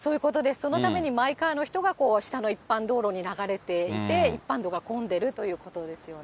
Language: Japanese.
そのためにマイカーの人が下の一般道路に流れていて、一般道が混んでるということですよね。